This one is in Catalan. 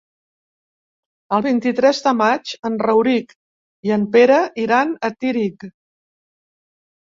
El vint-i-tres de maig en Rauric i en Pere iran a Tírig.